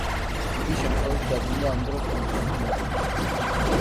იგი შემთხვევით დაბრუნდა ამ დროს კონსტანტინოპოლიდან.